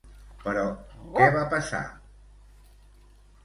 Però què va passar?